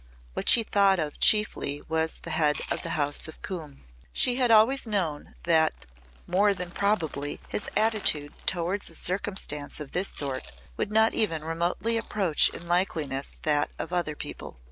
What she thought of chiefly was the Head of the House of Coombe. She had always known that more than probably his attitude towards a circumstance of this sort would not even remotely approach in likeness that of other people.